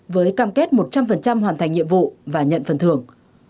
với cam kết một trăm linh hoàn thành nhiệm vụ và nhận phần thưởng